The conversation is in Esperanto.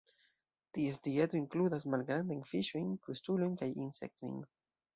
Ties dieto inkludas malgrandajn fiŝojn, krustulojn kaj insektojn.